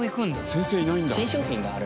先生いないんだ。